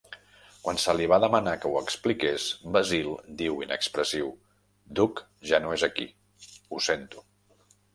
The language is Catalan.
Quan se li va demanar que ho expliqués, Basil diu inexpressiu, "Duck ja no es aquí, ho sento".